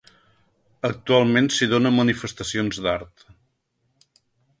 Actualment s'hi donen manifestacions d'art.